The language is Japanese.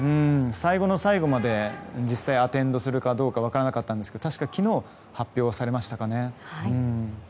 最後の最後まで実際アテンドするかどうかは分からなかったんですが確か昨日、発表されましたかね。